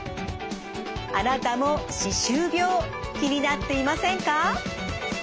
あなたも歯周病気になっていませんか？